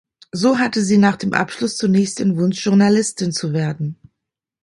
So hatte sie nach dem Abschluss zunächst den Wunsch Journalistin zu werden.